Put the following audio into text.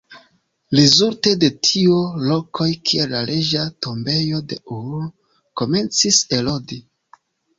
Rezulte de tio, lokoj kiel la Reĝa Tombejo de Ur, komencis erodi.